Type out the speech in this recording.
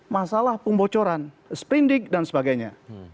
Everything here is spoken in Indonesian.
masalah pembocoran sprindik dan sebagainya